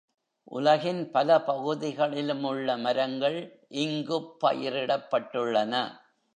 உலகின் பல பகுதிகளிலும் உள்ள மரங்கள் இங்குப் பயிரிடப்பட்டுள்ளன.